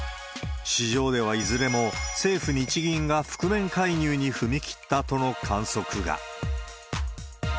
市場ではいずれも、政府・日銀が覆面介入に踏み切ったとの観測が。